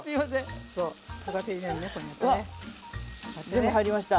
全部入りました。